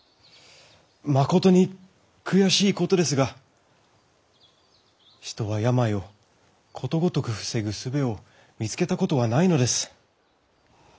まことに悔しいことですが人は病をことごとく防ぐ術を見つけたことはないのです。